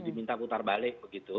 diminta putar balik begitu